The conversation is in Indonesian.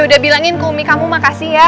yaudah bilangin ke umi kamu makasih ya